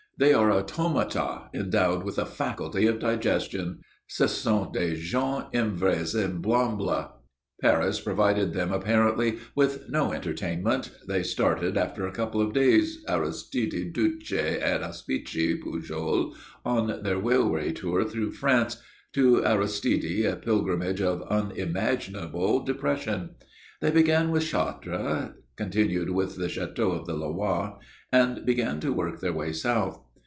They are automata endowed with the faculty of digestion. Ce sont des gens invraisemblables." Paris providing them, apparently, with no entertainment, they started, after a couple of days, Aristide duce et auspice Pujol, on their railway tour through France, to Aristide a pilgrimage of unimaginable depression. They began with Chartres, continued with the Châteaux of the Loire, and began to work their way south.